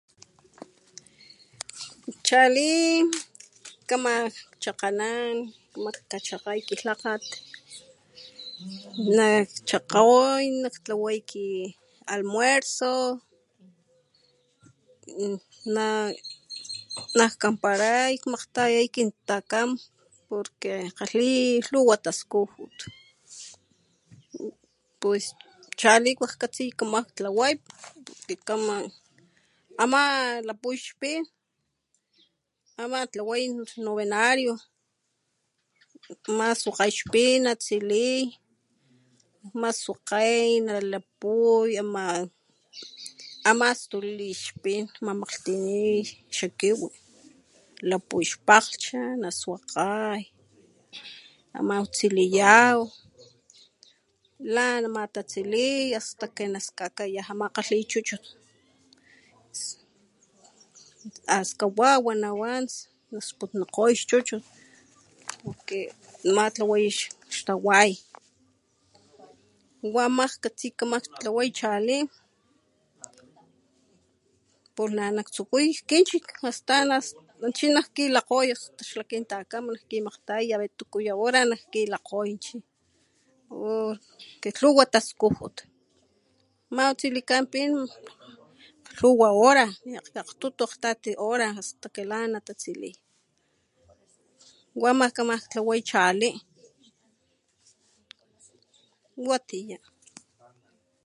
Chali kama cha'kganan kama ta kachakgay kilhakgat, nak chakgoy naktlaway kin almuerzo, nak kanparay makgtaya kintakam porque kgalhí lhuwa taskujut, pues chali wajkatsiy kama ktlaway akit kama, ama lapuy ixpin, ama tlaway ix novenario ama swakgay ixpin na tsili, naswakgay, nalapuy ama ama stuli xpin namaxtuni xa kiwi lapuy ixpakglhcha swakgay, amaw tsiliyaw lan ama tatsili este porque naskaka yan ama kgalhi chuchut askawawa nawan nasputnikgoy ix chuchut porque amatlawina ixtaway wa... ama katsiy kamaktlaway chali, pula nak tsukuy kinchik astan wanchi nak kilakgoy xla kintakam nak kimakgtaya aya aver tuku ya hora nak kilakgoy chi porque lhuwa taskujut matsilikan pin lhuwa hora akgtutu, akgtati hora hasta que la natatsili wa ama kamaj tlaway chali... watiya.